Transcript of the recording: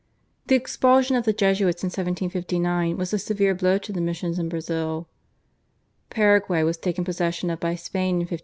The expulsion of the Jesuits in 1759 was a severe blow to the missions in Brazil. Paraguay was taken possession of by Spain in 1536.